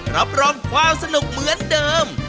รับรองความสนุกเหมือนเดิม